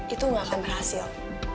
itu gak akan berhasil